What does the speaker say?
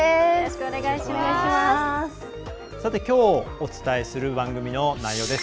きょうお伝えする番組の内容です。